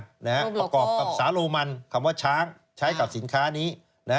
ประกอบกับสาโรมันคำว่าช้างใช้กับสินค้านี้